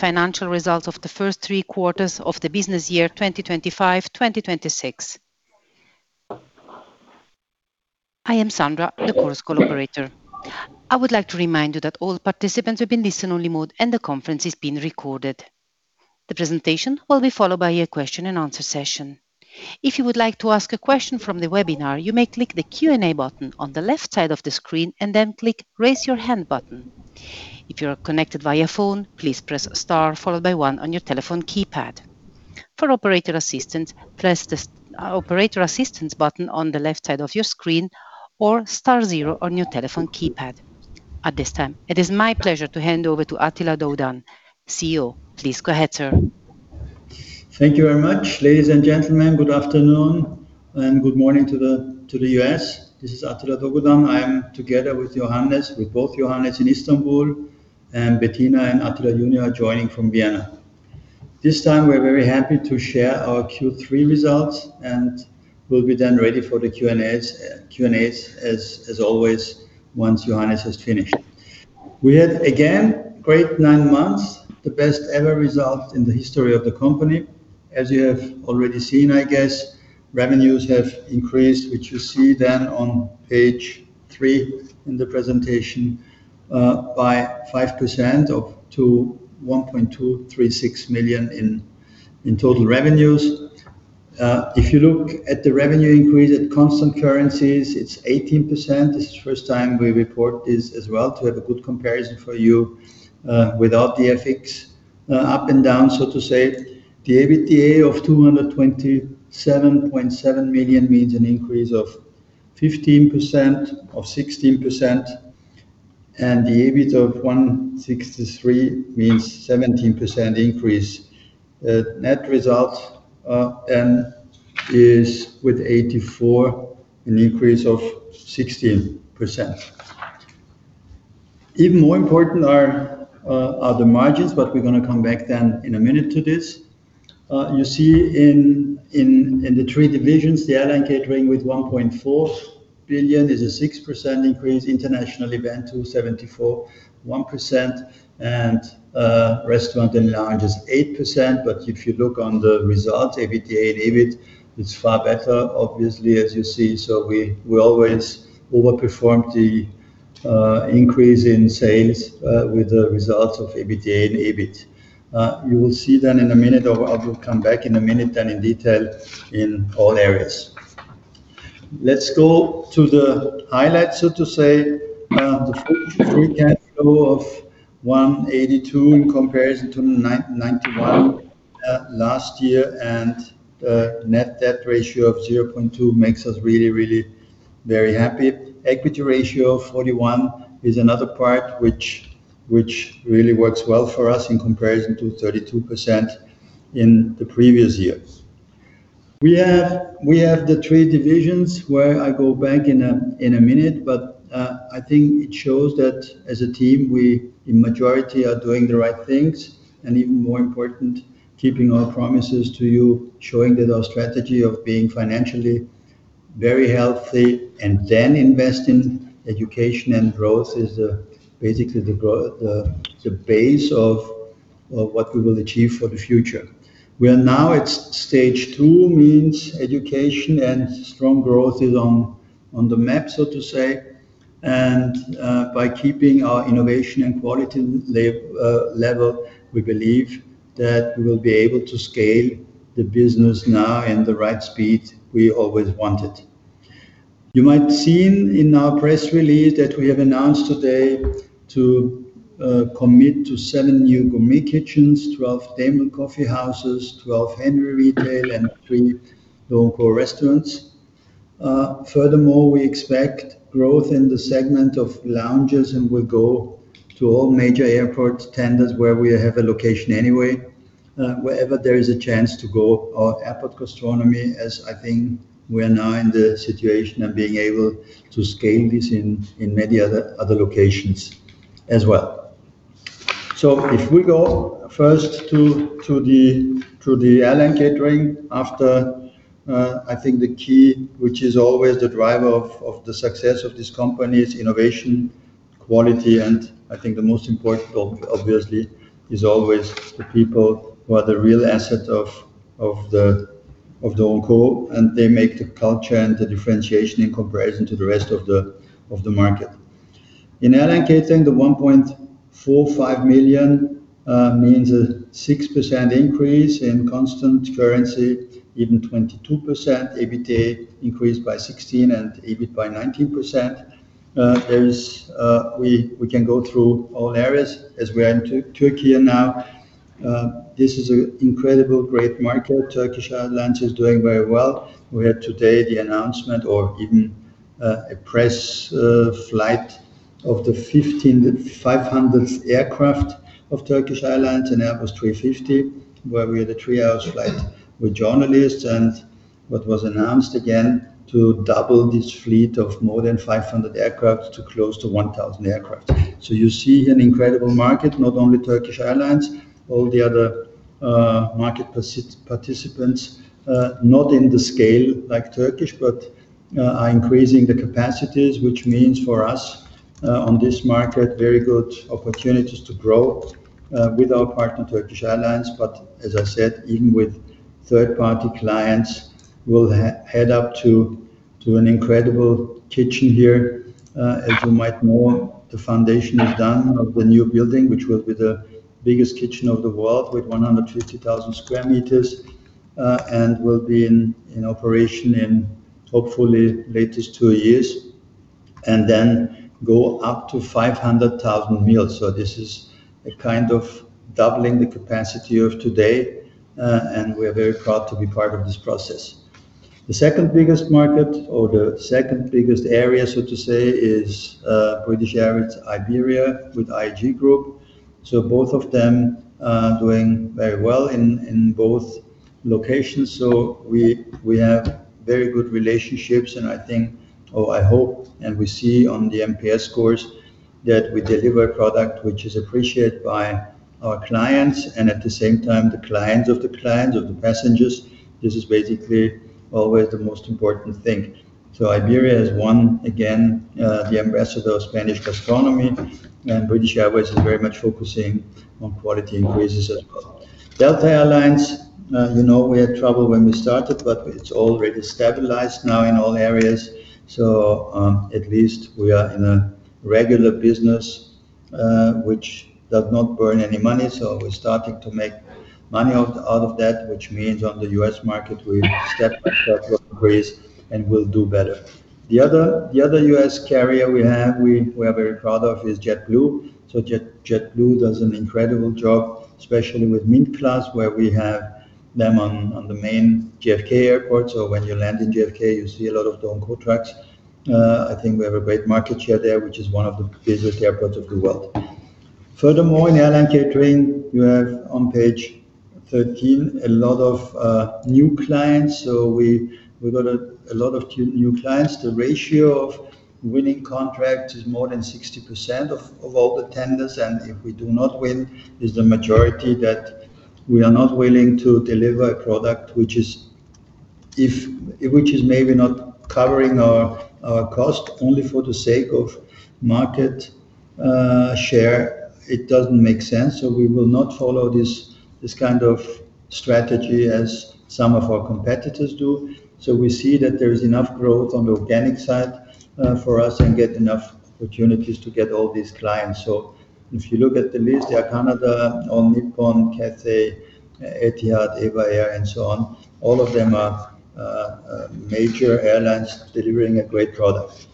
The financial results of the first three quarters of the business year 2025/2026. I am Sandra, the call's collaborator. I would like to remind you that all participants have been in listen-only mode, and the conference is being recorded. The presentation will be followed by a question and answer session. If you would like to ask a question from the webinar, you may click the Q&A button on the left side of the screen and then click Raise Your Hand button. If you are connected via phone, please press star followed by 1 on your telephone keypad. For operator assistance, press the star operator assistance button on the left side of your screen, or star zero on your telephone keypad. At this time, it is my pleasure to hand over to Attila Doğudan, CEO. Please go ahead, sir. Thank you very much. Ladies and gentlemen, good afternoon, and good morning to the US. This is Attila Doğudan. I am together with Johannes, with both Johannes in Istanbul, and Bettina and Attila Junior are joining from Vienna. This time, we're very happy to share our Q3 results, and we'll be then ready for the Q&As as always, once Johannes has finished. We had, again, great nine months, the best ever result in the history of the company. As you have already seen, I guess, revenues have increased, which you see then on page three in the presentation, by 5% up to 1.236 million in total revenues. If you look at the revenue increase at constant currencies, it's 18%. This is the first time we report this as well, to have a good comparison for you, without the FX up and down, so to say. The EBITDA of 227.7 million means an increase of 15%, of 16%, and the EBIT of 163 million means 17% increase. Net result and is with 84 million, an increase of 16%. Even more important are the margins, but we're gonna come back then in a minute to this. You see in the three divisions, the Airline Catering with 1.4 billion is a 6% increase, International Event, 274, 1% and Restaurant and Lounge is 8%. But if you look on the result, EBITDA and EBIT, it's far better, obviously, as you see. So we, we always overperform the increase in sales with the results of EBITDA and EBIT. You will see then in a minute, or I will come back in a minute, and in detail in all areas. Let's go to the highlights, so to say. The free cash flow of 182 in comparison to 991 last year, and the net debt ratio of 0.2 makes us really, really very happy. Equity ratio of 41 is another part which, which really works well for us in comparison to 32% in the previous years. We have the three divisions, where I go back in a minute, but I think it shows that as a team, we in majority are doing the right things, and even more important, keeping our promises to you, showing that our strategy of being financially very healthy and then invest in education and growth is basically the base of what we will achieve for the future. We are now at stage two, means education and strong growth is on the map, so to say, and by keeping our innovation and quality level, we believe that we will be able to scale the business now in the right speed we always wanted. You might have seen in our press release that we have announced today to commit to seven new Gourmet Kitchens, 12 Demel Coffee Houses, 12 Henry Retail, and three DO & CO restaurants. Furthermore, we expect growth in the segment of lounges, and we go to all major airport tenders where we have a location anyway, wherever there is a chance to go, our airport gastronomy, as I think we are now in the situation of being able to scale this in many other locations as well. So if we go first to the Airline Catering after, I think the key, which is always the driver of the success of this company, is innovation, quality, and I think the most important, obviously, is always the people who are the real asset of the DO & CO, and they make the culture and the differentiation in comparison to the rest of the market. In Airline Catering, the 1.45 million means a 6% increase. In constant currency, even 22%. EBITDA increased by 16%, and EBIT by 19%. There is... We can go through all areas as we are in Turkey now. This is an incredible, great market. Turkish Airlines is doing very well. We had today the announcement, or even a press flight of the first, the 500th aircraft of Turkish Airlines, an Airbus A350, where we had a three-hour flight with journalists, and what was announced again, to double this fleet of more than 500 aircraft to close to 1,000 aircraft. So you see an incredible market, not only Turkish Airlines, all the other market participants, not in the scale like Turkish, but are increasing the capacities, which means for us, on this market, very good opportunities to grow with our partner, Turkish Airlines. But as I said, even with third-party clients, we'll head up to an incredible kitchen here. As you might know, the foundation is done of the new building, which will be the biggest kitchen of the world, with 150,000 square meters, and will be in operation in hopefully latest two years, and then go up to 500,000 meals. So this is a kind of doubling the capacity of today, and we are very proud to be part of this process. The second biggest market or the second biggest area, so to say, is British Airways, Iberia, with IAG Group. So both of them doing very well in both locations. So we have very good relationships, and I think, or I hope, and we see on the NPS scores, that we deliver a product which is appreciated by our clients and at the same time, the clients of the clients, of the passengers. This is basically always the most important thing. So Iberia has won again, the Ambassador of Spanish Gastronomy, and British Airways is very much focusing on quality increases as well. Delta Air Lines, you know, we had trouble when we started, but it's already stabilized now in all areas. So, at least we are in a regular business, which does not burn any money. So we're starting to make money out of that, which means on the US market, we step by step increase and we'll do better. The other US carrier we have, we are very proud of, is JetBlue. So JetBlue does an incredible job, especially with Mint class, where we have them on the main JFK Airport. So when you land in JFK, you see a lot of DO & CO trucks. I think we have a great market share there, which is one of the busiest airports of the world. Furthermore, in airline catering, you have on page 13, a lot of new clients. So we, we got a lot of new clients. The ratio of winning contracts is more than 60% of all the tenders, and if we do not win, is the majority that we are not willing to deliver a product, which is which is maybe not covering our cost only for the sake of market share. It doesn't make sense, so we will not follow this kind of strategy as some of our competitors do. So we see that there is enough growth on the organic side for us, and get enough opportunities to get all these clients. If you look at the list, Air Canada, All Nippon, Cathay, Etihad, EVA Air, and so on, all of them are major airlines delivering a great product.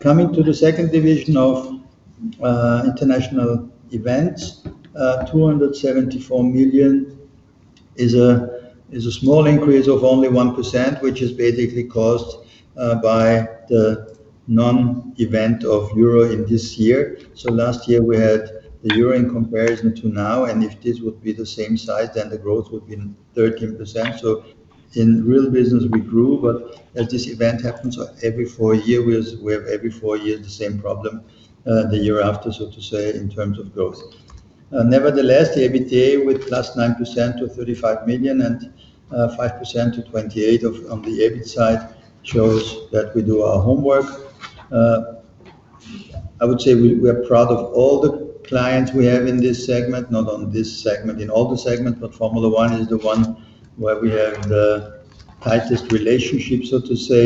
Coming to the second division of international events, 274 million is a small increase of only 1%, which is basically caused by the non-event of Euro in this year. So last year, we had the Euro in comparison to now, and if this would be the same size, then the growth would be 13%. So in real business, we grew, but as this event happens every four years, we have every four years the same problem, the year after, so to say, in terms of growth. Nevertheless, the EBITDA with +9% to 35 million and 5% to 28 million on the EBIT side shows that we do our homework. I would say we are proud of all the clients we have in this segment, not on this segment, in all the segment, but Formula One is the one where we have the tightest relationship, so to say,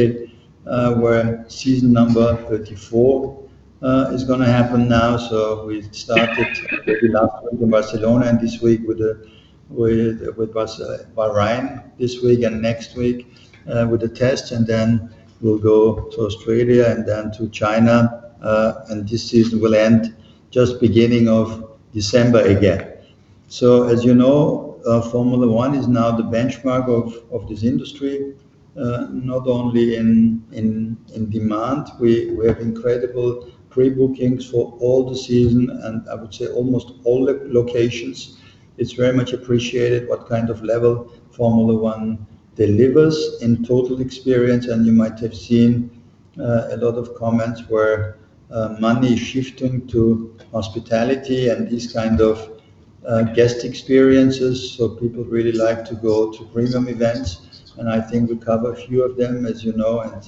where season number 34 is gonna happen now. So we started last week in Barcelona, and this week with Bahrain, this week and next week with the test, and then we'll go to Australia and then to China, and this season will end just beginning of December again. So, as you know, Formula One is now the benchmark of this industry, not only in demand. We have incredible pre-bookings for all the season, and I would say almost all the locations. It's very much appreciated what kind of level Formula One delivers in total experience, and you might have seen a lot of comments where money is shifting to hospitality and these kind of guest experiences. So people really like to go to premium events, and I think we cover a few of them, as you know, and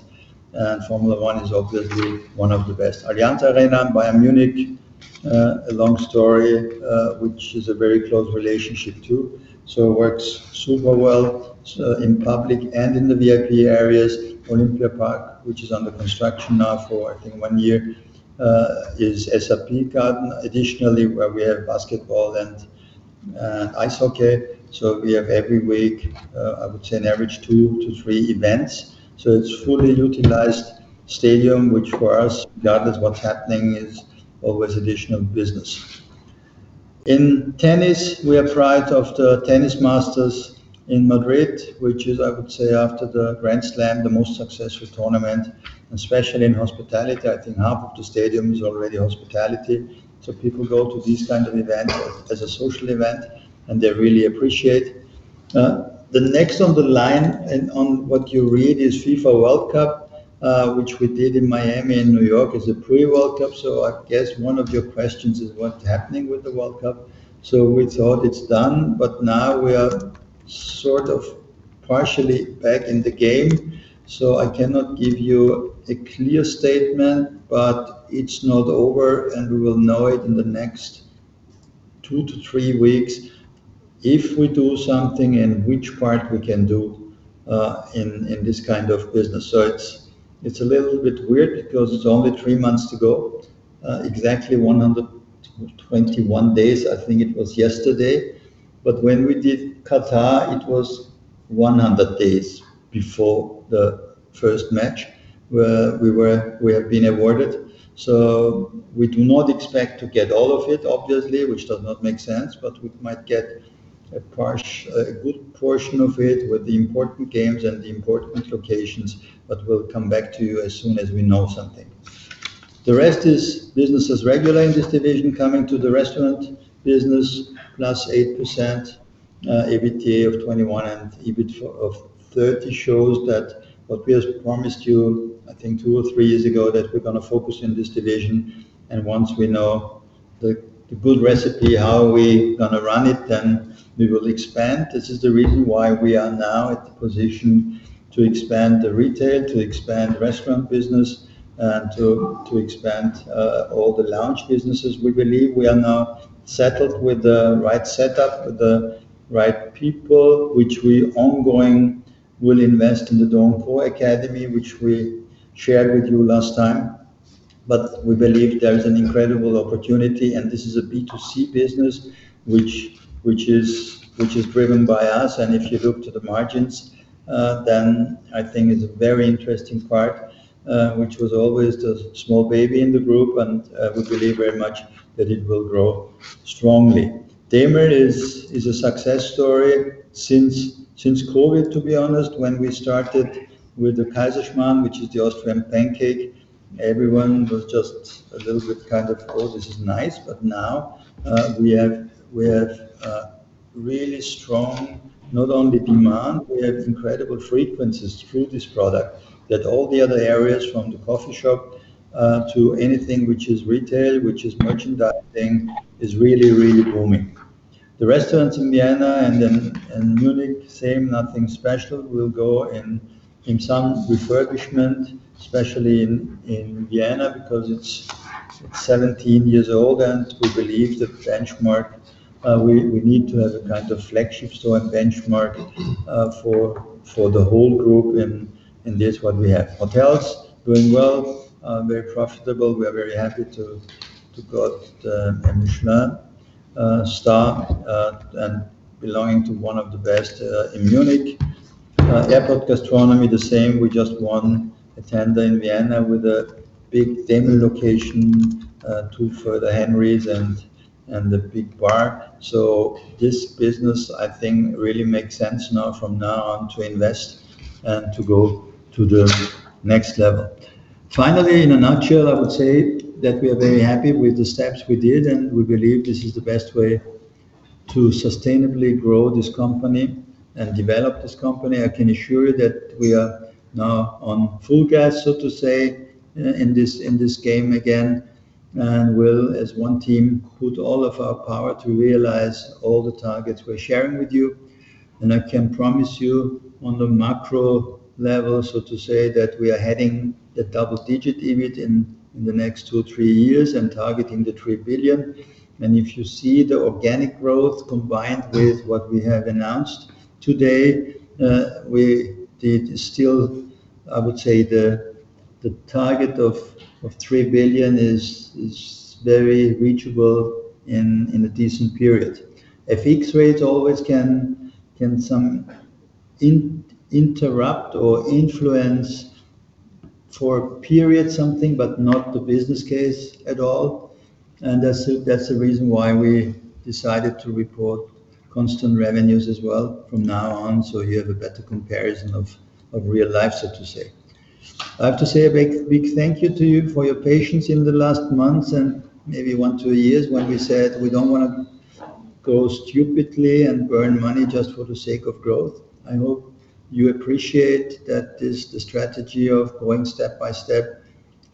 Formula One is obviously one of the best. Allianz Arena, Bayern Munich, a long story, which is a very close relationship, too. So it works super well in public and in the VIP areas. Olympiapark, which is under construction now for, I think, one year, is SAP Garden. Additionally, where we have basketball and ice hockey, so we have every week, I would say, on average, two to three events. So it's fully utilized stadium, which for us, regardless what's happening, is always additional business. In tennis, we are proud of the Tennis Masters in Madrid, which is, I would say, after the Grand Slam, the most successful tournament, especially in hospitality. I think half of the stadium is already hospitality. So people go to these kinds of events as a social event, and they really appreciate the next on the line and on what you read is FIFA World Cup, which we did in Miami and New York as a pre-World Cup. So I guess one of your questions is what's happening with the World Cup? So we thought it's done, but now we are sort of partially back in the game. So I cannot give you a clear statement, but it's not over, and we will know it in the next two to three weeks if we do something and which part we can do in this kind of business. So it's a little bit weird because it's only three months to go, exactly 121 days, I think it was yesterday. But when we did Qatar, it was 100 days before the first match, where we have been awarded. So we do not expect to get all of it, obviously, which does not make sense, but we might get a part, a good portion of it, with the important games and the important locations, but we'll come back to you as soon as we know something. The rest is business as usual in this division, coming to the restaurant business, +8%, EBITDA of 21 and EBIT of 30, shows that what we have promised you, I think, two or three years ago, that we're gonna focus in this division. Once we know the good recipe, how we're gonna run it, then we will expand. This is the reason why we are now at the position to expand the retail, to expand restaurant business, and to expand all the lounge businesses. We believe we are now settled with the right setup, the right people, which we ongoing will invest in the DO & CO Academy, which we shared with you last time. But we believe there is an incredible opportunity, and this is a B2C business, which is driven by us. If you look to the margins, then I think it's a very interesting part, which was always the small baby in the group, and we believe very much that it will grow strongly. Demel is a success story since COVID, to be honest, when we started with the Kaiserschmarrn, which is the Austrian pancake, everyone was just a little bit kind of, "Oh, this is nice." But now, we have really strong, not only demand, we have incredible frequencies through this product, that all the other areas, from the coffee shop to anything which is retail, which is merchandising, is really, really booming. The restaurants in Vienna and in Munich, same, nothing special. We'll go in some refurbishment, especially in Vienna, because it's 17 years old, and we believe the benchmark, we need to have a kind of flagship store benchmark for the whole group in this what we have. Hotels, doing well, very profitable. We are very happy to got a Michelin star and belonging to one of the best in Munich. Airport gastronomy, the same. We just won a tender in Vienna with a big Demel location, two further Henrys and the big bar. So this business, I think, really makes sense now, from now on, to invest and to go to the next level. Finally, in a nutshell, I would say that we are very happy with the steps we did, and we believe this is the best way to sustainably grow this company and develop this company. I can assure you that we are now on full gas, so to say, in this game again, and will, as one team, put all of our power to realize all the targets we're sharing with you. And I can promise you, on the macro level, so to say, that we are heading the double-digit EBIT in the next two, three years and targeting the 3 billion. And if you see the organic growth combined with what we have announced today, we did still. I would say the target of 3 billion is very reachable in a decent period. FX rates always can somehow interrupt or influence for a period, something, but not the business case at all. That's the reason why we decided to report constant revenues as well from now on, so you have a better comparison of real life, so to say. I have to say a big, big thank you to you for your patience in the last months and maybe one to two years, when we said we don't wanna go stupidly and burn money just for the sake of growth. I hope you appreciate that this, the strategy of going step by step,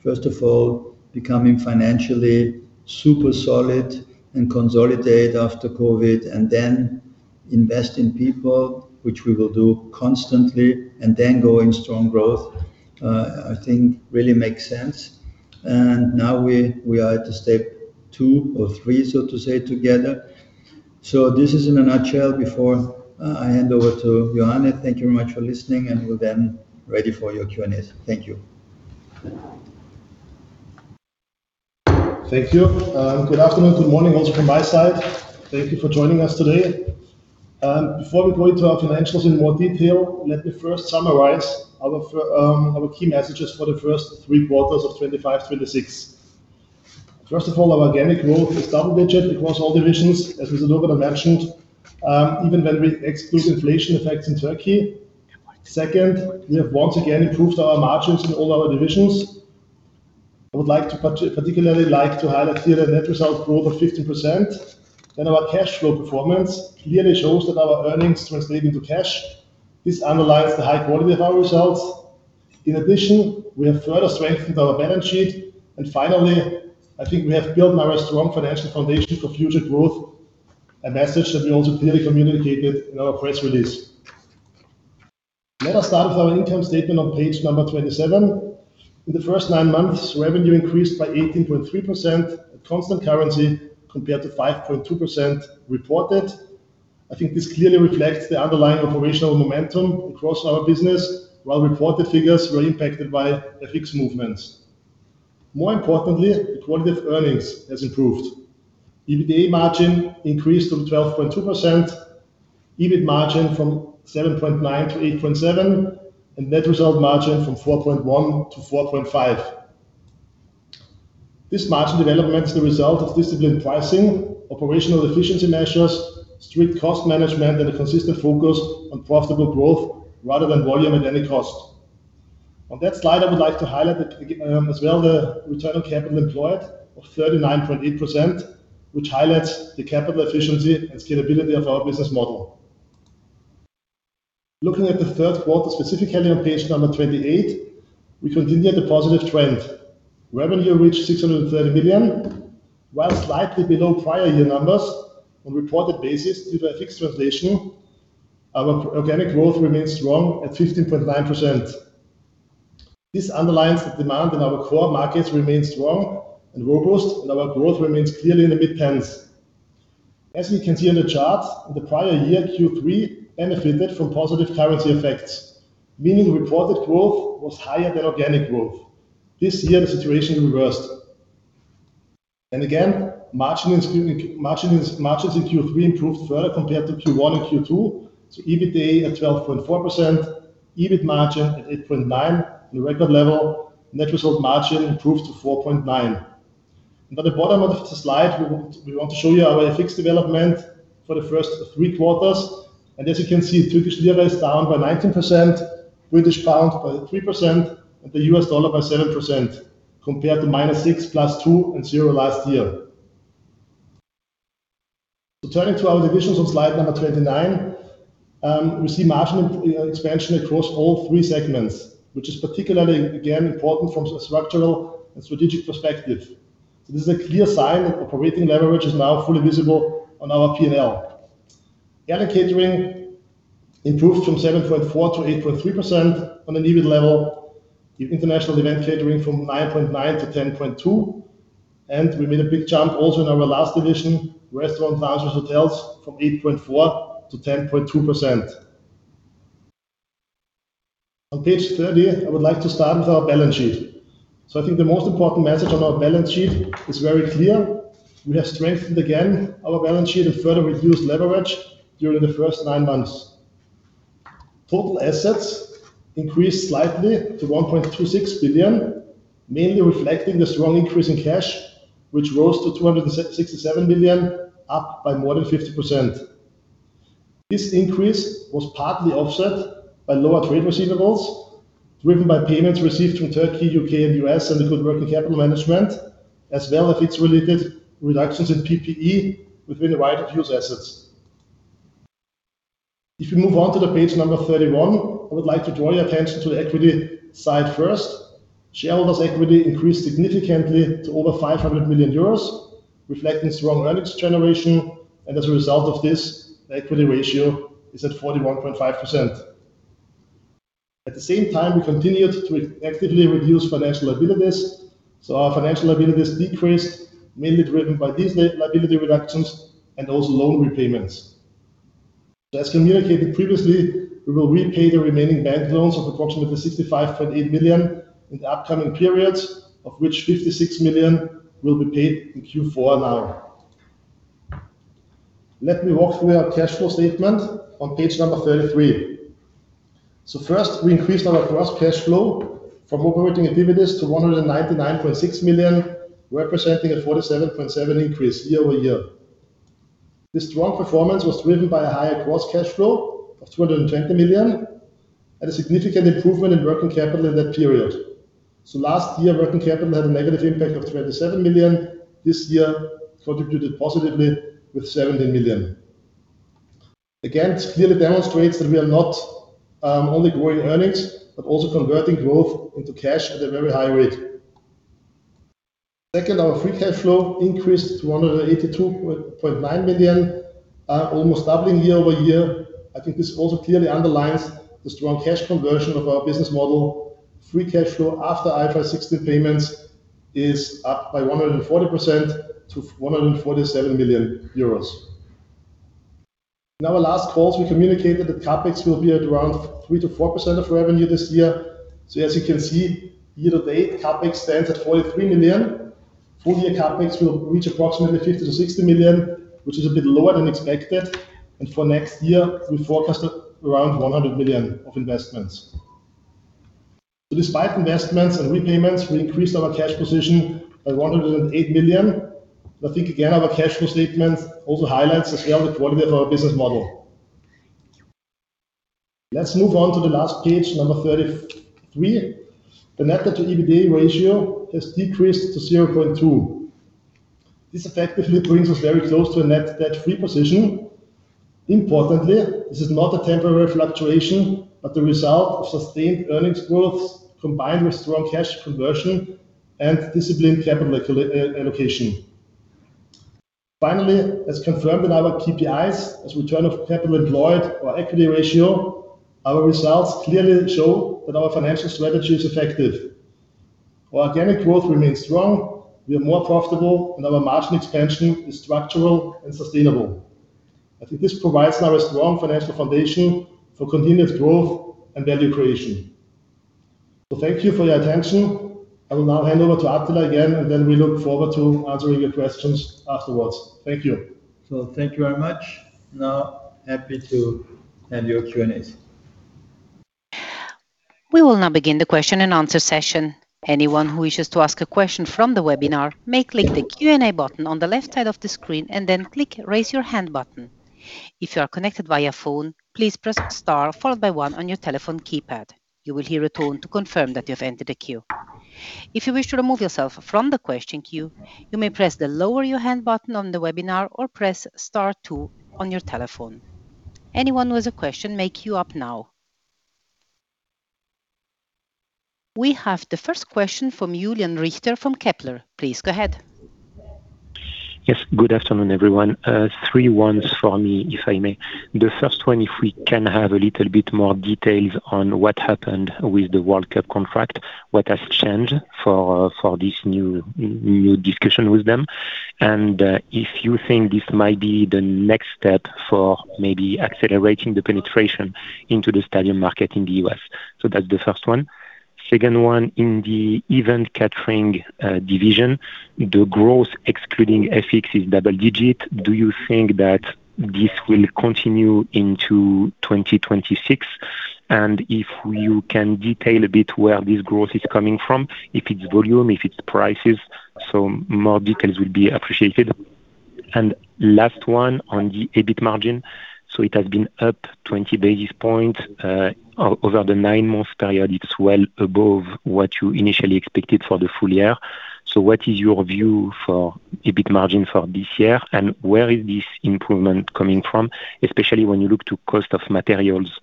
first of all, becoming financially super solid and consolidate after COVID, and then invest in people, which we will do constantly, and then go in strong growth, I think really makes sense. Now we are at the step two or three, so to say, together. This is in a nutshell, before I hand over to Johannes. Thank you very much for listening, and we're then ready for your Q&A. Thank you. Thank you. Good afternoon, good morning also from my side. Thank you for joining us today. Before we go into our financials in more detail, let me first summarize our key messages for the first three quarters of 2025, 2026. First of all, our organic growth is double digit across all divisions, as Mr. Dogudan mentioned, even when we exclude inflation effects in Turkey. Second, we have once again improved our margins in all our divisions. I would like to particularly like to highlight here the net result growth of 15%, and our cash flow performance clearly shows that our earnings translate into cash. This underlies the high quality of our results. In addition, we have further strengthened our balance sheet, and finally, I think we have built now a strong financial foundation for future growth, a message that we also clearly communicated in our press release. Let us start with our income statement on page 27. In the first nine months, revenue increased by 18.3% at constant currency, compared to 5.2% reported. I think this clearly reflects the underlying operational momentum across our business, while reported figures were impacted by FX movements. More importantly, the quality of earnings has improved. EBITDA margin increased to 12.2%, EBIT margin from 7.9%-8.7%, and net result margin from 4.1%-4.5%. This margin development is the result of disciplined pricing, operational efficiency measures, strict cost management, and a consistent focus on profitable growth rather than volume at any cost. On that slide, I would like to highlight that, as well, the return on capital employed of 39.8%, which highlights the capital efficiency and scalability of our business model. Looking at the third quarter, specifically on page number 28, we continued the positive trend. Revenue reached 630 million, while slightly below prior year numbers on a reported basis due to FX translation, our organic growth remains strong at 15.9%. This underlines the demand in our core markets remains strong and robust, and our growth remains clearly in the mid-tens. As we can see in the chart, in the prior year, Q3 benefited from positive currency effects, meaning reported growth was higher than organic growth. This year, the situation reversed. And again, margins in Q3 improved further compared to Q1 and Q2, so EBITDA at 12.4%, EBIT margin at 8.9%, a record level. Net result margin improved to 4.9%. And at the bottom of the slide, we want to show you our FX development for the first three quarters. And as you can see, Turkish lira is down by 19%, British pound by 3%, and the U.S. dollar by 7%, compared to -6%, +2%, and 0% last year. Turning to our divisions on slide number 29, we see margin expansion across all three segments, which is particularly, again, important from a structural and strategic perspective. This is a clear sign that operating leverage is now fully visible on our P&L. Airline Catering improved from 7.4% to 8.3% on an EBIT level. The International Event Catering from 9.9% t10.2%, and we made a big jump also in our last division, Restaurants, Lounges, Hotels, from 8.4% to 10.2%. On page 30, I would like to start with our balance sheet. I think the most important message on our balance sheet is very clear. We have strengthened again our balance sheet and further reduced leverage during the first nine months. Total assets increased slightly to 1.26 billion, mainly reflecting the strong increase in cash, which rose to 267 million, up by more than 50%. This increase was partly offset by lower trade receivables, driven by payments received from Turkey, U.K., and U.S., and the good working capital management, as well as its related reductions in PPE within the right of use assets. If you move on to page 31, I would like to draw your attention to the equity side first. Shareholders' equity increased significantly to over 500 million euros, reflecting strong earnings generation, and as a result of this, the equity ratio is at 41.5%. At the same time, we continued to actively reduce financial liabilities, so our financial liabilities decreased, mainly driven by these liability reductions and also loan repayments. As communicated previously, we will repay the remaining bank loans of approximately 65.8 million in the upcoming periods, of which 56 million will be paid in Q4 now. Let me walk through our cash flow statement on page 33. First, we increased our gross cash flow from operating activities to 199.6 million, representing a 47.7% increase year-over-year. This strong performance was driven by a higher gross cash flow of 220 million, and a significant improvement in working capital in that period. Last year, working capital had a negative impact of 27 million. This year, contributed positively with 17 million. Again, this clearly demonstrates that we are not only growing earnings, but also converting growth into cash at a very high rate. Second, our free cash flow increased to 182.9 million, almost doubling year-over-year. I think this also clearly underlines the strong cash conversion of our business model. Free cash flow after IFRS 16 payments is up by 140% to 147 million euros. In our last calls, we communicated that CapEx will be at around 3%-4% of revenue this year. So as you can see, year to date, CapEx stands at 43 million. Full year CapEx will reach approximately 50 million-60 million, which is a bit lower than expected, and for next year, we forecasted around 100 million of investments. So despite investments and repayments, we increased our cash position by 108 million. I think again, our cash flow statement also highlights as well the quality of our business model. Let's move on to the last page, number 33. The net debt to EBITDA ratio has decreased to 0.2. This effectively brings us very close to a net debt-free position. Importantly, this is not a temporary fluctuation, but the result of sustained earnings growth, combined with strong cash conversion and disciplined capital allocation. Finally, as confirmed in our KPIs, our return on capital employed or equity ratio, our results clearly show that our financial strategy is effective. While organic growth remains strong, we are more profitable, and our margin expansion is structural and sustainable. I think this provides now a strong financial foundation for continuous growth and value creation. So thank you for your attention.I will now hand over to Attila again, and then we look forward to answering your questions afterwards. Thank you. Thank you very much. Now, happy to hand you our Q&As. We will now begin the question-and-answer session. Anyone who wishes to ask a question from the webinar may click the Q&A button on the left side of the screen and then click Raise Your Hand button. If you are connected via phone, please press Star followed by One on your telephone keypad. You will hear a tone to confirm that you have entered a queue. If you wish to remove yourself from the question queue, you may press the Lower Your Hand button on the webinar or press star two on your telephone. Anyone who has a question, may queue up now. We have the first question from Julian Richter from Kepler. Please go ahead. Yes, good afternoon, everyone. Three ones for me, if I may. The first one, if we can have a little bit more details on what happened with the World Cup contract, what has changed for, for this new, new discussion with them? And, if you think this might be the next step for maybe accelerating the penetration into the stadium market in the U.S. So that's the first one. Second one, in the event catering, division, the growth, excluding FX, is double digit. Do you think that this will continue into 2026? And if you can detail a bit where this growth is coming from, if it's volume, if it's prices, so more details would be appreciated. And last one, on the EBIT margin. So it has been up 20 basis points, over the nine-month period. It's well above what you initially expected for the full year. So what is your view for EBIT margin for this year, and where is this improvement coming from? Especially when you look to cost of materials,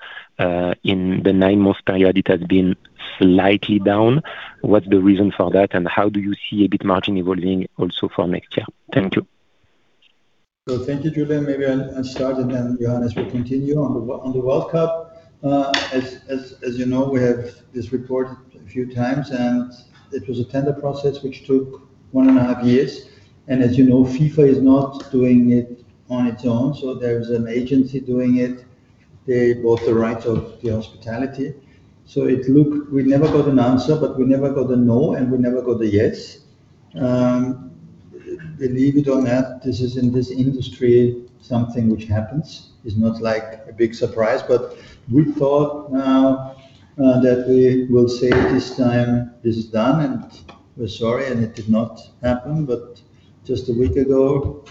in the nine-month period, it has been slightly down. What's the reason for that, and how do you see EBIT margin evolving also for next year? Thank you. So thank you, Julian. Maybe I'll start, and then Johannes will continue. On the World Cup, as you know, we have reported this a few times, and it was a tender process which took 1.5 years. And as you know, FIFA is not doing it on its own, so there's an agency doing it. They bought the rights of the hospitality. So it looked. We never got an answer, but we never got a no, and we never got a yes. Believe it or not, this is in this industry, something which happens. It's not like a big surprise, but we thought now that we will say this time this is done, and we're sorry, and it did not happen. But just a week ago,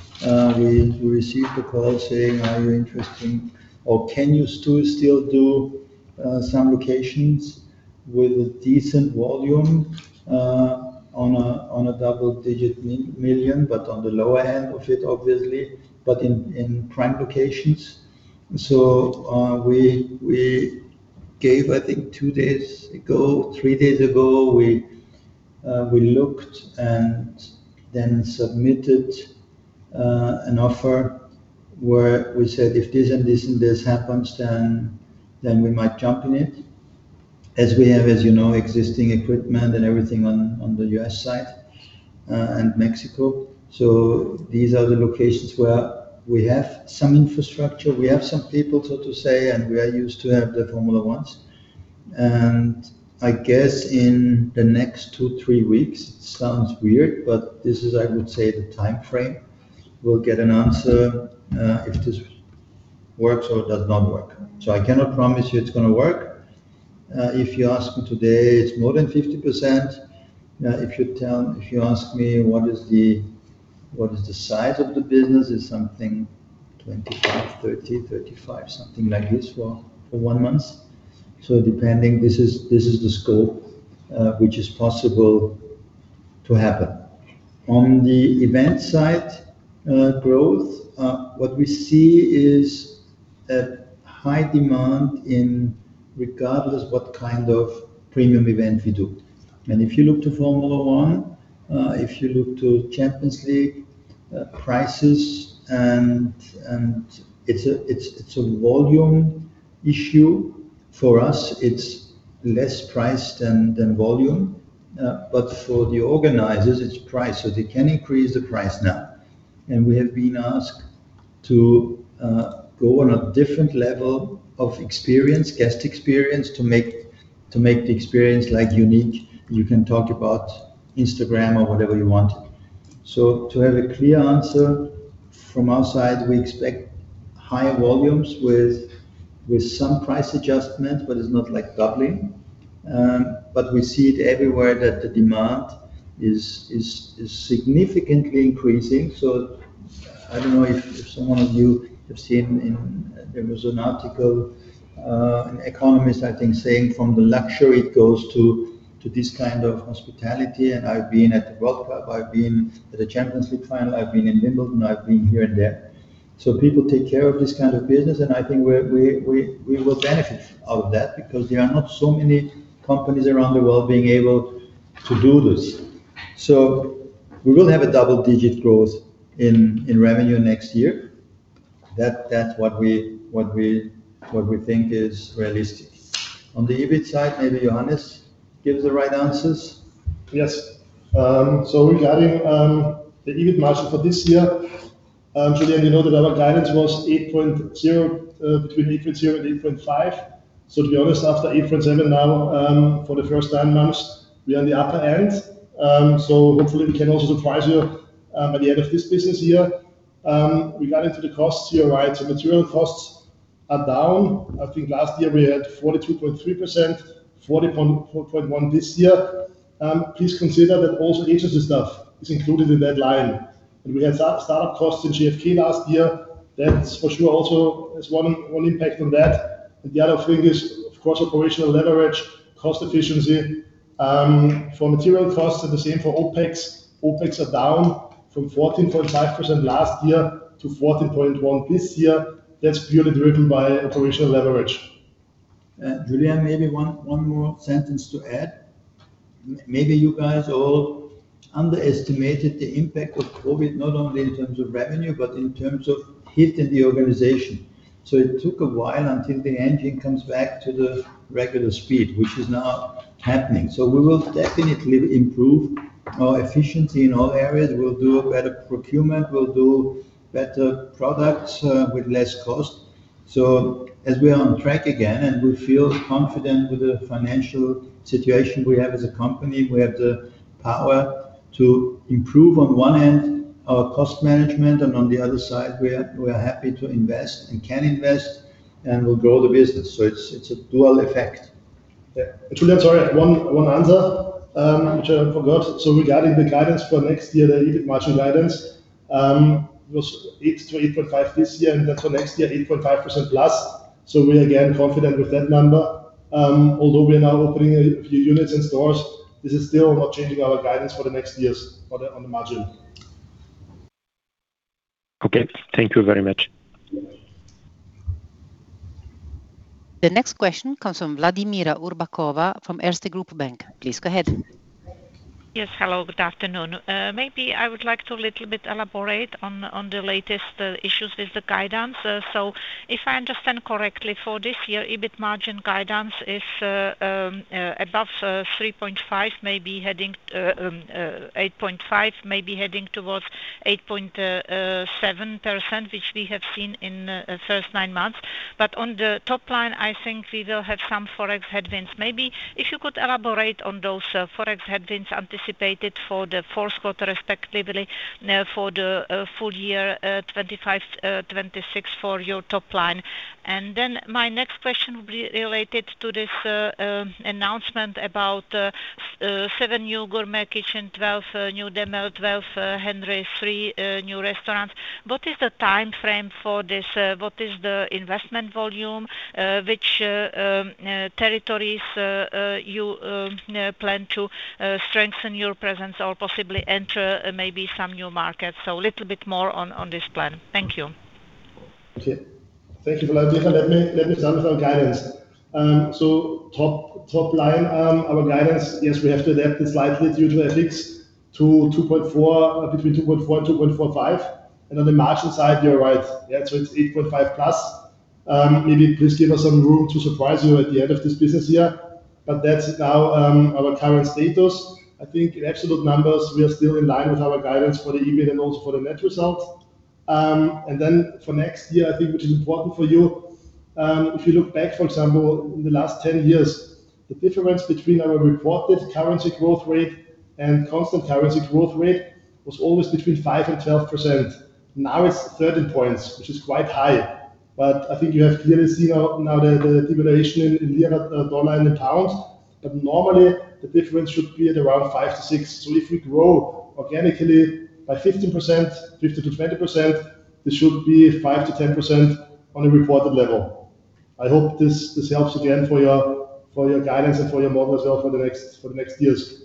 we received a call saying, "Are you interested or can you still do some locations with a decent volume on a double-digit million, but on the lower end of it, obviously, but in prime locations?" So, we gave, I think two days ago, three days ago, we looked and then submitted an offer where we said, if this and this and this happens, then we might jump in it. As we have, as you know, existing equipment and everything on the U.S. side and Mexico. So these are the locations where we have some infrastructure, we have some people, so to say, and we are used to have the Formula One's. I guess in the next two, three weeks, sounds weird, but this is, I would say, the timeframe, we'll get an answer if this works or does not work. So I cannot promise you it's gonna work. If you ask me today, it's more than 50%. If you ask me what is the, what is the size of the business, it's something 25, 30, 35, something like this for one month. So depending, this is, this is the scope which is possible to happen. On the event side, growth, what we see is a high demand in regardless what kind of premium event we do. And if you look to Formula One, if you look to Champions League, prices and, and it's a, it's, it's a volume issue. For us, it's less price than volume, but for the organizers, it's price. So they can increase the price now. We have been asked to go on a different level of experience, guest experience, to make the experience like unique. You can talk about Instagram or whatever you want. So to have a clear answer from our side, we expect higher volumes with some price adjustment, but it's not like doubling... But we see it everywhere that the demand is significantly increasing. So I don't know if someone of you have seen. There was an article, an economist, I think, saying from the luxury it goes to this kind of hospitality. I've been at the World Cup, I've been at the Champions League final, I've been in Wimbledon, I've been here and there. So people take care of this kind of business, and I think we will benefit out of that because there are not so many companies around the world being able to do this. So we will have a double-digit growth in revenue next year. That's what we think is realistic. On the EBIT side, maybe Johannes gives the right answers. Yes. So regarding the EBIT margin for this year, Julian, you know that our guidance was 8.0%, between 8.0% and 8.5%. So to be honest, after 8.7% now for the first nine months, we are on the upper end. So hopefully we can also surprise you at the end of this business year. Regarding to the costs here, right, so material costs are down. I think last year we had 42.3%, 40.1% this year. Please consider that also agency stuff is included in that line. And we had startup costs in JFK last year. That's for sure also one impact on that. And the other thing is, of course, operational leverage, cost efficiency. For material costs are the same for OpEx. OpEx are down from 14.5% last year to 14.1% this year. That's purely driven by operational leverage. Julian, maybe one, one more sentence to add. Maybe you guys all underestimated the impact of COVID, not only in terms of revenue, but in terms of hitting the organization. So it took a while until the engine comes back to the regular speed, which is now happening. So we will definitely improve our efficiency in all areas. We'll do a better procurement, we'll do better products, with less cost. So as we are on track again, and we feel confident with the financial situation we have as a company, we have the power to improve, on one hand, our cost management, and on the other side, we are, we are happy to invest and can invest, and we'll grow the business. So it's, it's a dual effect. Yeah. Julian, sorry, one answer, which I forgot. So regarding the guidance for next year, the EBIT margin guidance was 8%-8.5% this year, and then for next year, 8.5%+. So we're again confident with that number. Although we are now opening a few units and stores, this is still not changing our guidance for the next years on the margin. Okay. Thank you very much. The next question comes from Vladimira Urbánková from Erste Group Bank. Please go ahead. Yes, hello, good afternoon. Maybe I would like to a little bit elaborate on the latest issues with the guidance. So if I understand correctly, for this year, EBIT margin guidance is above 3.5, maybe heading 8.5, maybe heading towards 8.7%, which we have seen in first nine months. But on the top line, I think we will have some Forex headwinds. Maybe if you could elaborate on those Forex headwinds anticipated for the fourth quarter, respectively, for the full year 2025, 2026 for your top line. And then my next question will be related to this announcement about seven new Gourmet Kitchen, 12 new Demel, 12 Henry, three new restaurants. What is the timeframe for this? What is the investment volume? Which territories you plan to strengthen your presence or possibly enter maybe some new markets? So a little bit more on this plan. Thank you. Okay. Thank you, Vladimira. Let me start with our guidance. Top line, our guidance, yes, we have to adapt it slightly due to FX to 2.4 billion-2.45 billion. On the margin side, you're right. Yeah, so it's 8.5%+. Maybe please give us some room to surprise you at the end of this business year, but that's now our current status. I think in absolute numbers, we are still in line with our guidance for the EBIT and also for the net results. For next year, I think, which is important for you, if you look back, for example, in the last 10 years, the difference between our reported currency growth rate and constant currency growth rate was always between 5% and 12%. Now, it's 13 points, which is quite high, but I think you have clearly seen now, now the, the devaluation in lira, dollar, and the pound. But normally, the difference should be at around 5%-6%. So if we grow organically by 15%, 15%-20%, this should be 5%-10% on a reported level. I hope this, this helps again, for your, for your guidance and for your model as well for the next, for the next years.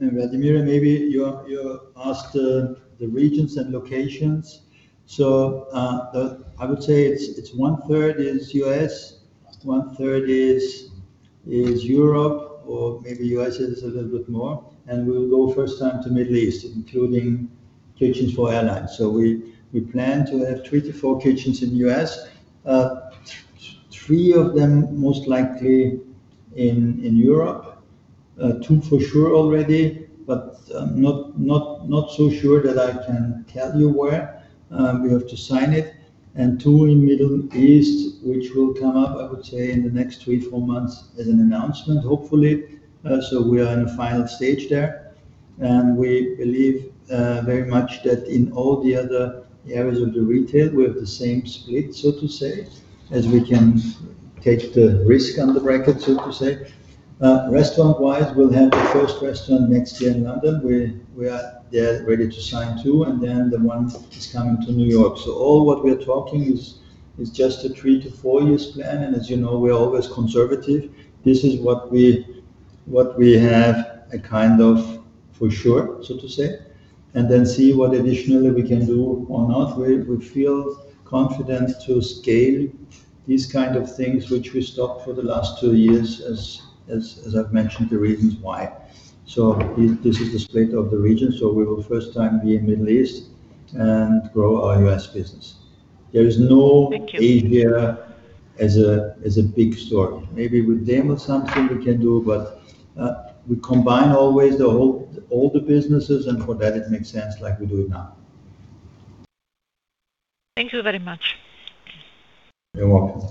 Vladimira, maybe you, you asked the regions and locations. So, the... I would say it's one third U.S., one third Europe, or maybe U.S. is a little bit more, and we'll go first time to Middle East, including kitchens for airlines. So we plan to have three to four kitchens in U.S., three of them, most likely in Europe. Two for sure already, but I'm not so sure that I can tell you where, we have to sign it. And two in Middle East, which will come up, I would say, in the next three to four months as an announcement, hopefully. So we are in the final stage there. We believe very much that in all the other areas of the retail, we have the same split, so to say, as we can take the risk on the bracket, so to say. Restaurant-wise, we'll have the first restaurant next year in London, where we are there ready to sign two, and then the one is coming to New York. So all what we are talking is just a three to four years plan, and as you know, we're always conservative. This is what we have a kind of for sure, so to say, and then see what additionally we can do or not. We feel confident to scale these kind of things, which we stopped for the last two years, as I've mentioned, the reasons why. So this is the state of the region. So we will first time be in Middle East and grow our U.S. business. There is no... Thank you. Asia as a, as a big story. Maybe with them or something we can do, but we combine always the whole all the businesses, and for that it makes sense, like we do it now. Thank you very much. You're welcome.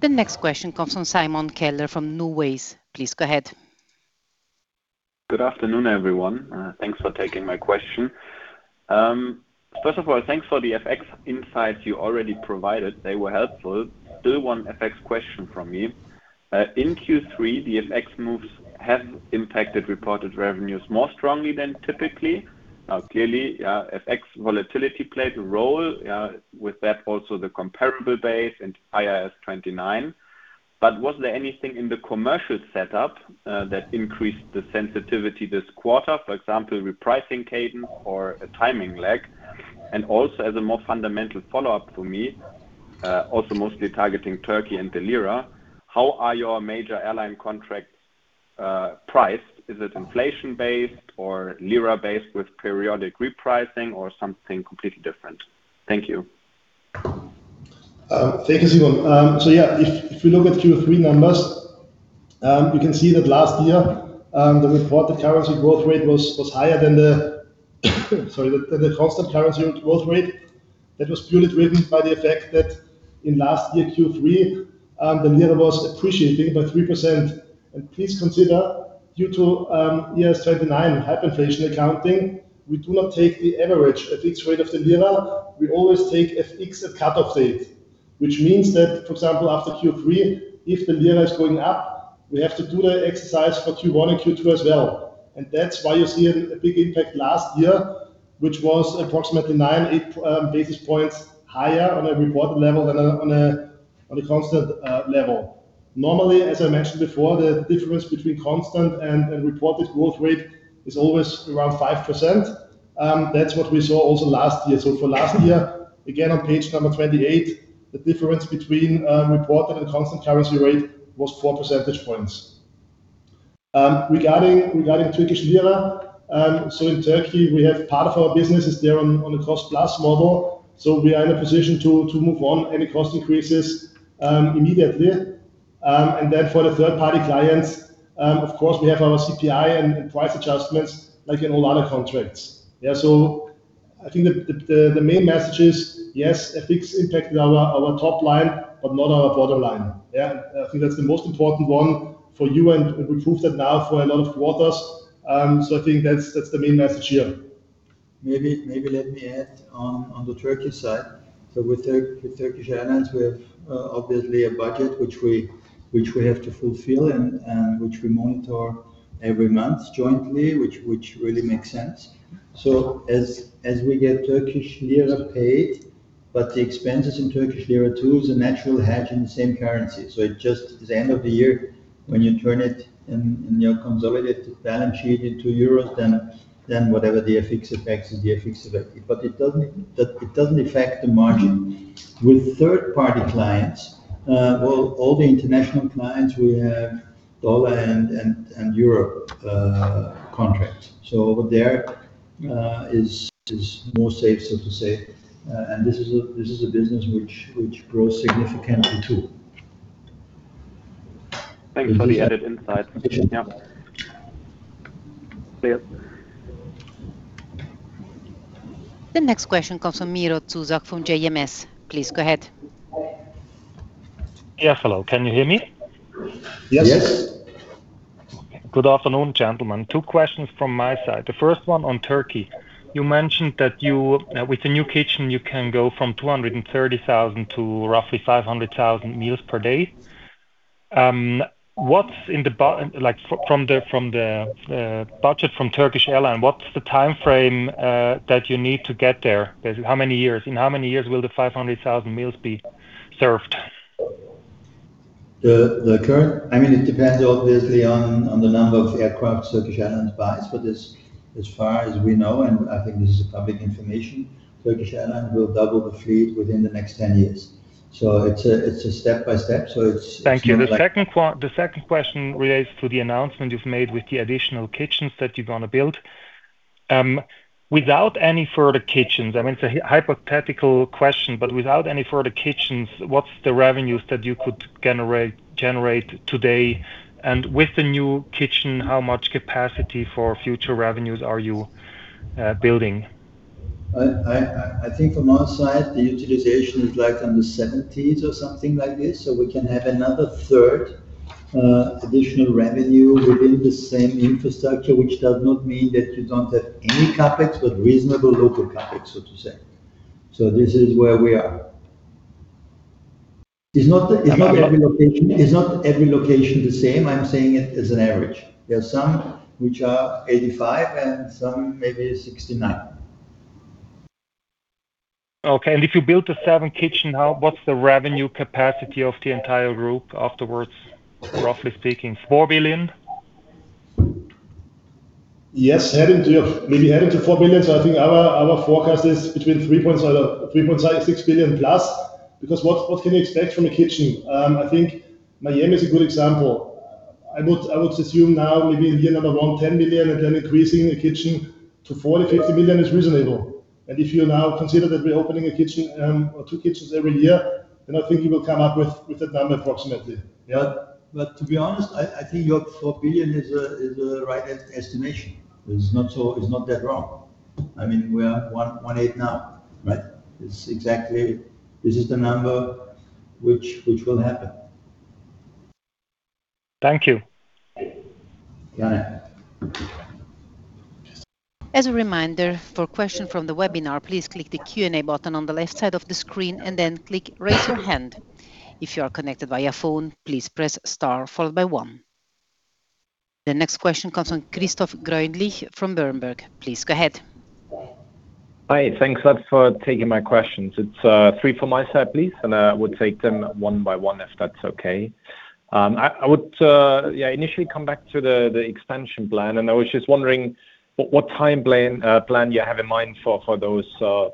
The next question comes from Simon Keller from NuWays. Please go ahead. Good afternoon, everyone. Thanks for taking my question. First of all, thanks for the FX insights you already provided. They were helpful. Still one FX question from me. In Q3, the FX moves have impacted reported revenues more strongly than typically. Now, clearly, FX volatility played a role, with that also the comparable base and IAS 29. But was there anything in the commercial setup that increased the sensitivity this quarter, for example, repricing cadence or a timing lag? And also, as a more fundamental follow-up to me, also mostly targeting Turkey and the Lira, how are your major airline contracts priced? Is it inflation-based or Lira-based with periodic repricing or something completely different? Thank you. Thank you, Simon. So yeah, if, if you look at Q3 numbers, you can see that last year, the reported currency growth rate was, was higher than the, sorry, than the constant currency growth rate. That was purely driven by the effect that in last year, Q3, the Lira was appreciating by 3%. And please consider, due to, IAS 29 hyperinflation accounting, we do not take the average at each rate of the Lira. We always take FX at cut-off date, which means that, for example, after Q3, if the Lira is going up, we have to do the exercise for Q1 and Q2 as well. And that's why you see a, a big impact last year, which was approximately 98 basis points higher on a reported level than on a, on a constant, level. Normally, as I mentioned before, the difference between constant and reported growth rate is always around 5%. That's what we saw also last year. So for last year, again, on page number 28, the difference between reported and constant currency rate was 4 percentage points. Regarding Turkish Lira, so in Turkey, we have part of our business is there on a cost-plus model, so we are in a position to move on any cost increases immediately. And then for the third-party clients, of course, we have our CPI and price adjustments, like in a lot of contracts. Yeah, so I think the main message is, yes, FX impacted our top line, but not our bottom line. Yeah, I think that's the most important one for you, and we prove that now for a lot of quarters. So I think that's the main message here. Maybe, maybe let me add on, on the Turkey side. So with Turkish Airlines, we have, obviously a budget which we, which we have to fulfill and, and which we monitor every month jointly, which, which really makes sense. So as, as we get Turkish Lira paid, but the expenses in Turkish Lira, too, is a natural hedge in the same currency. So it just, at the end of the year, when you turn it and, and you consolidate it, balance sheet into euros, then, then whatever the FX effects is, the FX effect. But it doesn't, that, it doesn't affect the margin. With third-party clients, well, all the international clients, we have dollar and, and, and euro contract. So over there, is, is more safe, so to say. And this is a, this is a business which, which grows significantly, too. Thanks for the added insight. Yeah. See you. The next question comes from Miro Zuzak from JMS. Please go ahead. Yeah, hello. Can you hear me? Yes. Yes. Good afternoon, gentlemen. Two questions from my side. The first one on Turkey. You mentioned that you, with the new kitchen, you can go from 230,000 to roughly 500,000 meals per day. What's in the like, from the, from the budget from Turkish Airlines, what's the timeframe that you need to get there? Basically, how many years? In how many years will the 500,000 meals be served? The current, I mean, it depends obviously on the number of aircraft Turkish Airlines buys for this. As far as we know, and I think this is a public information, Turkish Airlines will double the fleet within the next 10 years. So it's a step-by-step, so it's- Thank you. The second question relates to the announcement you've made with the additional kitchens that you're gonna build. Without any further kitchens, I mean, it's a hypothetical question, but without any further kitchens, what's the revenues that you could generate today? And with the new kitchen, how much capacity for future revenues are you building?... I think from our side, the utilization is like in the 70s or something like this, so we can have another third additional revenue within the same infrastructure, which does not mean that you don't have any CapEx, but reasonable local CapEx, so to say. So this is where we are. It's not every location the same. I'm saying it as an average. There are some which are 85 and some maybe 69. Okay, and if you build the seventh kitchen, how—what's the revenue capacity of the entire group afterwards, roughly speaking, 4 billion? Yes, heading to maybe four billion. So I think our forecast is between three point six billion plus, because what can you expect from a kitchen? I think Miami is a good example. I would assume now maybe in year number one, 10 billion, and then increasing the kitchen to 40 billion, 50 billion is reasonable. And if you now consider that we're opening a kitchen or two kitchens every year, then I think you will come up with that number, approximately. Yeah. But to be honest, I think your 4 billion is a right estimation. It's not so— It's not that wrong. I mean, we are 1.18 now, right? It's exactly... This is the number which will happen. Thank you. Johannes. As a reminder, for questions from the webinar, please click the Q&A button on the left side of the screen and then click Raise Your Hand. If you are connected via phone, please press Star followed by one. The next question comes from Christoph Greulich from Berenberg. Please go ahead. Hi. Thanks a lot for taking my questions. It's three from my side, please, and I will take them one by one, if that's okay. I would initially come back to the expansion plan, and I was just wondering what time plan you have in mind for those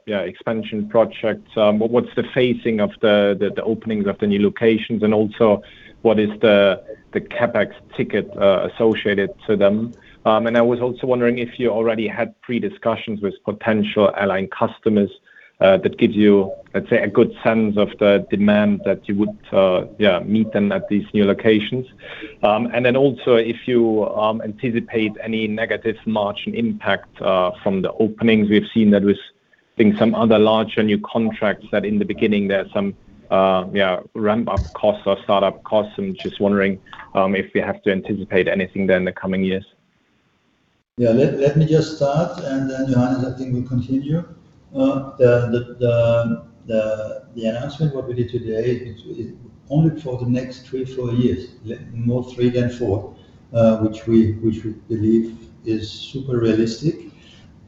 expansion projects. What's the phasing of the openings of the new locations, and also what is the CapEx ticket associated to them? And I was also wondering if you already had pre-discussions with potential airline customers that gives you, let's say, a good sense of the demand that you would meet them at these new locations. And then also, if you anticipate any negative margin impact from the openings. We've seen that with, I think, some other larger new contracts, that in the beginning, there are some ramp-up costs or startup costs. I'm just wondering if we have to anticipate anything there in the coming years. Yeah. Let me just start, and then, Johannes, I think we continue. The announcement what we did today is only for the next three to four years, more three than four, which we believe is super realistic.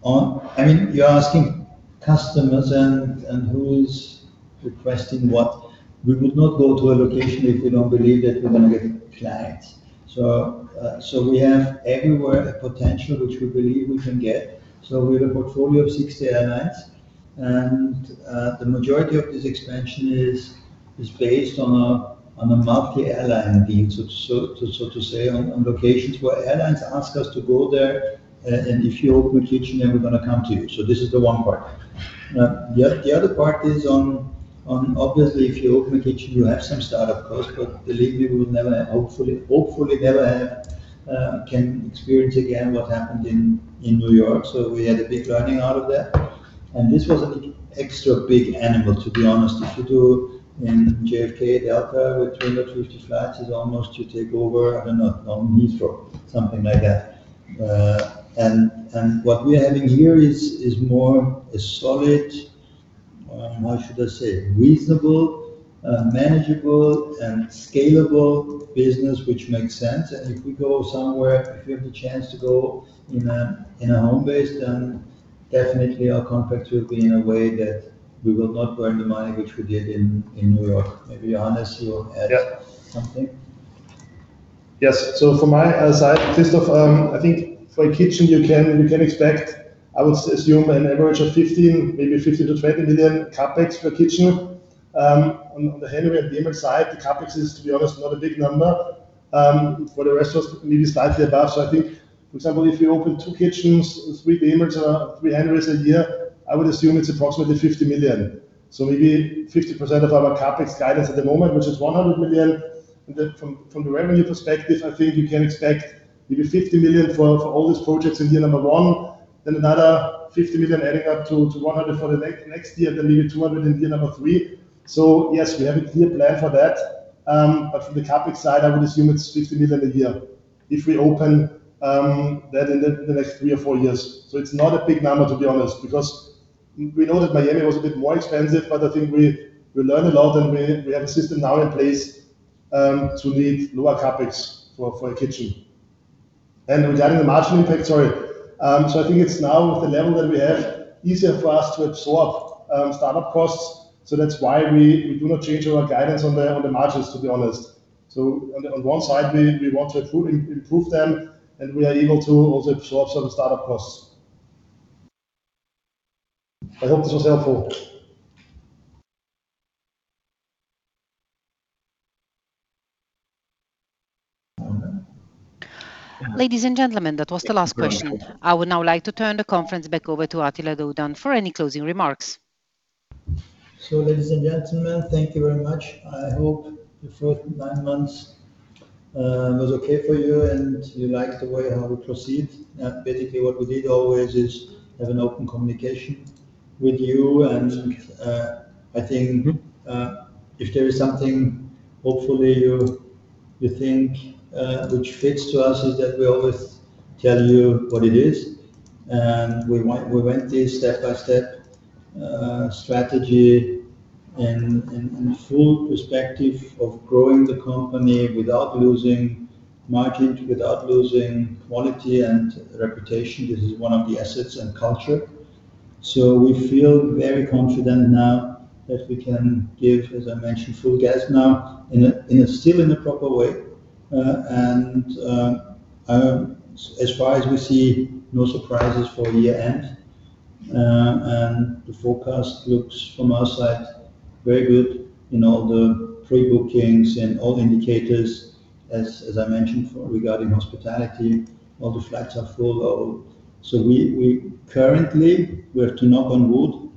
I mean, you're asking customers and who is requesting what? We would not go to a location if we don't believe that we're going to get clients. So we have everywhere a potential which we believe we can get. So we have a portfolio of 60 airlines, and the majority of this expansion is based on a multi-airline deal. So to say, on locations where airlines ask us to go there, and if you open a kitchen, then we're gonna come to you. So this is the one part. The other, the other part is on obviously, if you open a kitchen, you have some start-up costs, but believe me, we would never, hopefully, hopefully, never have can experience again what happened in New York. So we had a big learning out of that, and this was an extra big animal, to be honest. If you do in JFK, Delta, with 350 flights, is almost you take over, I don't know, on Heathrow, something like that. And what we are having here is more a solid, how should I say, reasonable, manageable and scalable business, which makes sense. If we go somewhere, if we have the chance to go in a home base, then definitely our CapEx will be in a way that we will not burn the money, which we did in New York. Maybe, Johannes, you will add- Yeah. -something. Yes. From my side, Christoph, I think for a kitchen, you can expect, I would assume, an average of 15 million, maybe 15 million-20 million CapEx per kitchen. On the Henry and the image side, the CapEx is, to be honest, not a big number. For the restaurants, maybe slightly above. I think, for example, if you open two kitchens, three Demels or three Henrys a year, I would assume it's approximately 50 million. Maybe 50% of our CapEx guidance at the moment, which is 100 million. From the revenue perspective, I think you can expect maybe 50 million for all these projects in year number one, then another 50 million adding up to 100 million for the next year, then maybe 200 million in year number three. So yes, we have a clear plan for that. But from the CapEx side, I would assume it's 50 million a year if we open that in the next three or four years. So it's not a big number, to be honest, because we know that Miami was a bit more expensive, but I think we learned a lot, and we have a system now in place to need lower CapEx for a kitchen. Regarding the margin impact, sorry. So I think it's now with the level that we have, easier for us to absorb startup costs. So that's why we do not change our guidance on the margins, to be honest. So on one side, we want to improve them, and we are able to also absorb some of the startup costs. I hope this was helpful. Ladies and gentlemen, that was the last question. I would now like to turn the conference back over to Attila Doğudan for any closing remarks.... So ladies and gentlemen, thank you very much. I hope the first nine months was okay for you, and you liked the way how we proceed. And basically, what we did always is have an open communication with you, and I think, if there is something hopefully you think, which fits to us, is that we always tell you what it is, and we went, we went this step-by-step strategy and full perspective of growing the company without losing market, without losing quality and reputation. This is one of the assets and culture. So we feel very confident now that we can give, as I mentioned, full gas now in a still in a proper way. And as far as we see, no surprises for the year end. And the forecast looks from our side very good in all the pre-bookings and all indicators. As I mentioned, for regarding hospitality, all the flights are full load. So we currently have to knock on wood.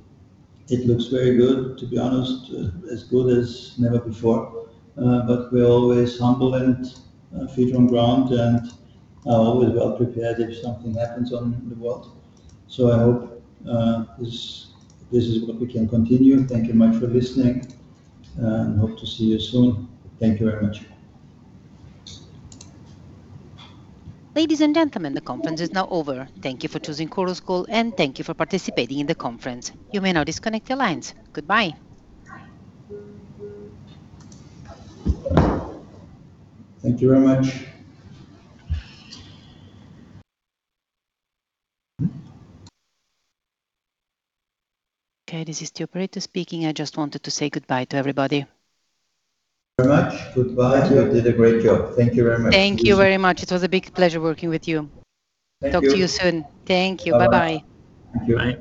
It looks very good, to be honest, as good as never before. But we're always humble and feet on ground, and are always well prepared if something happens on in the world. So I hope this is what we can continue. Thank you much for listening, and hope to see you soon. Thank you very much. Ladies and gentlemen, the conference is now over. Thank you for choosing Chorus Call, and thank you for participating in the conference. You may now disconnect your lines. Goodbye. Thank you very much. Okay, this is the operator speaking. I just wanted to say goodbye to everybody. Very much. Goodbye. You have did a great job. Thank you very much. Thank you very much. It was a big pleasure working with you. Thank you. Talk to you soon. Thank you. Bye bye. Thank you. Bye.